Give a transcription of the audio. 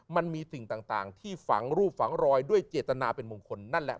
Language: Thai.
มันมีสิ่งต่างที่ฝังรูปฝังรอยด้วยเจตนาเป็นมงคลนั่นแหละ